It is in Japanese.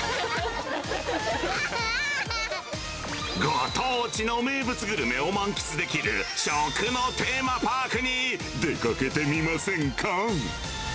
ご当地の名物グルメを満喫できる食のテーマパークに出かけてみませんか。